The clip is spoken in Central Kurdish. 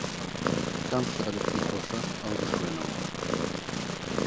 کام شیعرت پێ خۆشە ئەوە بخوێنەوە